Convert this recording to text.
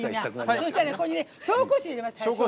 そうしたらここに紹興酒入れます。